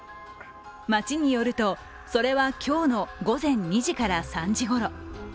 町によると、それは今日の午前２時から３時ごろ。